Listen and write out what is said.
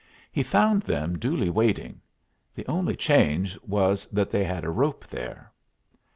He found them duly waiting; the only change was that they had a rope there.